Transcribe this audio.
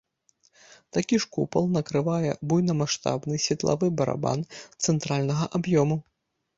Такі ж купал накрывае буйнамаштабны светлавы барабан цэнтральнага аб'ёму.